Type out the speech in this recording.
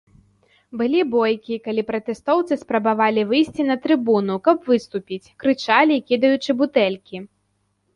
Былі бойкі, калі пратэстоўцы спрабавалі выйсці на трыбуну, каб выступіць, крычалі, кідаючы бутэлькі.